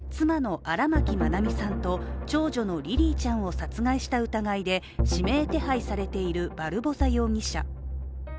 大阪府堺市の集合住宅の一室で、妻の荒牧愛美さんと、長女のリリィちゃんを殺害した疑いで指名手配されているバルボサ容疑者。